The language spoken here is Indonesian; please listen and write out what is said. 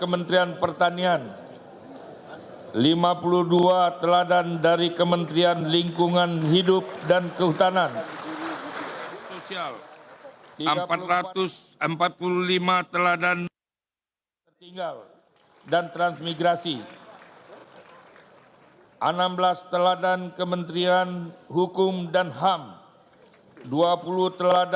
mereka semua telah berhasil mengibarkan sang saka merah putih